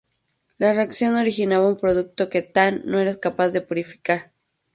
La reacción originaba un producto que Than no era capaz de purificar.